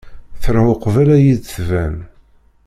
Truḥ uqbel ad yi-d-tban.